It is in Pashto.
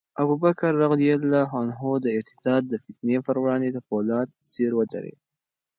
ابوبکر رض د ارتداد د فتنې پر وړاندې د فولاد په څېر ودرېد.